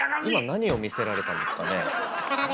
今何を見せられたんですかねえ。